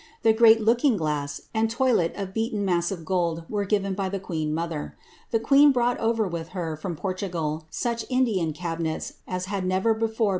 The great looking glass and toilet of beaten were given by the queen mother. The queen brought from Portugal such Indian cabinets as had never before